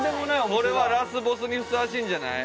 これはラスボスにふさわしいんじゃない？